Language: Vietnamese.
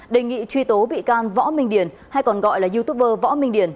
đề nghị truy tố bị can võ minh điển hay còn gọi là youtuber võ minh điển